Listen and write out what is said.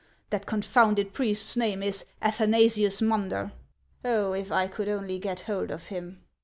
That confounded priest's name is Athanasius Munder. Oh, if I could only get hold of him